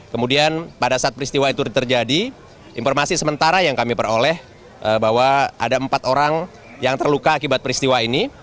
kemudian pada saat peristiwa itu terjadi informasi sementara yang kami peroleh bahwa ada empat orang yang terluka akibat peristiwa ini